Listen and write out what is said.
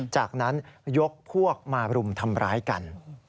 จากนั้นยกพวกมารุมทำร้ายกัน